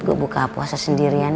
gue buka puasa sendirian